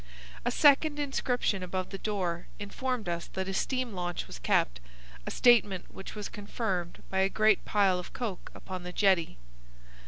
A second inscription above the door informed us that a steam launch was kept,—a statement which was confirmed by a great pile of coke upon the jetty.